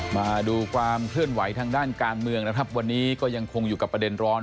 มาดูความเคลื่อนไหวทางด้านการเมืองนะครับวันนี้ก็ยังคงอยู่กับประเด็นร้อน